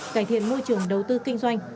cải thiện môi trường đầu tư kinh doanh